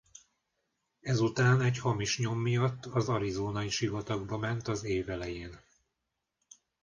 Ezután egy hamis nyom miatt az arizonai sivatagba ment az év elején.